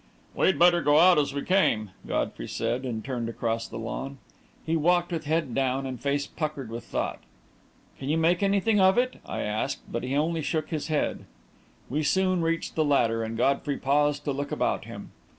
"We'd better go out as we came," Godfrey said, and turned across the lawn. He walked with head down and face puckered with thought. "Can you make anything of it?" I asked, but he only shook his head. We soon reached the ladder, and Godfrey paused to look about him.